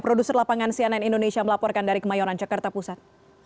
produser lapangan cnn indonesia melaporkan dari kemayoran jakarta pusat